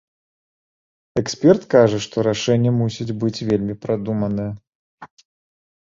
Эксперт кажа, што рашэнне мусіць быць вельмі прадуманае.